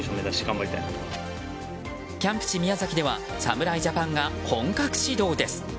キャンプ地・宮崎では侍ジャパンが本格始動です。